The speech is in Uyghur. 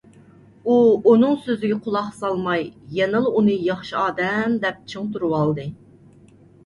ئۇ ئۇنىڭ سۆزىگە قۇلاق سالماي، يەنىلا ئۇنى ياخشى ئادەم دەپ چىڭ تۇرۇۋالدى.